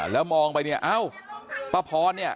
แล้วมองไปนี่ผ้าพรสนี่